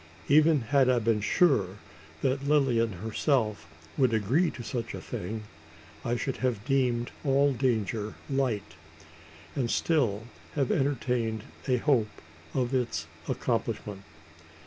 Even had I been sure that Lilian herself would agree to such a thing, I should have deemed all danger light, and still have entertained a hope of its accomplishment.